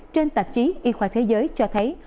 trên tạp chí y khoa thế giới cho thấy